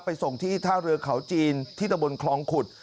ส่งที่ท่าเรือเขาจีนที่ตะบนคลองขุด